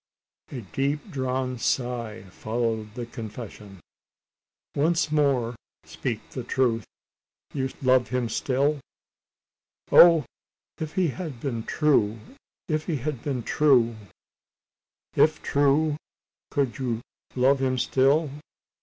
A deep drawn sigh followed the confession. "Once more speak the truth you love him still?" "Oh! if he had been true if he had been true!" "If true, you could love him still?"